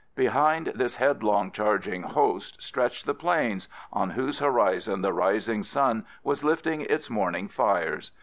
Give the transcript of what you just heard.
Behind this head long charging host stretched the Plains, on whose horizon the rising sun was lifting its morning fires.